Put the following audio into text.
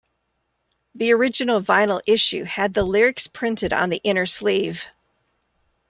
The original vinyl issue had the lyrics printed on the inner sleeve.